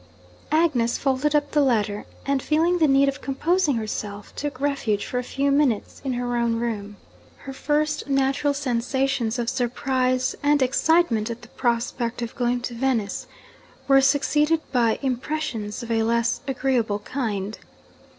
Agnes folded up the letter; and, feeling the need of composing herself, took refuge for a few minutes in her own room. Her first natural sensations of surprise and excitement at the prospect of going to Venice were succeeded by impressions of a less agreeable kind.